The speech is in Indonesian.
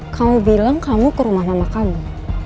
kamu bilang kamu ke rumah mama kamu